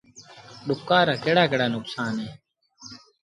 ڏُڪآر رآ ڪهڙآ ڪهڙآ نڪسآݩ اهيݩ۔